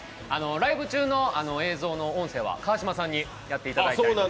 ライブ中の映像の音声は川島さんにやっていただいております。